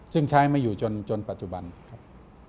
ซึ่งใช้มาอยู่จนปัจจุบันครับ